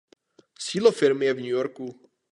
Sídlo firmy je v New Yorku.